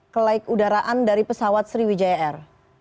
kelaikudaraan dari pesawat sriwijaya air